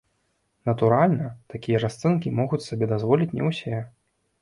Натуральна, такія расцэнкі могуць сабе дазволіць не ўсе.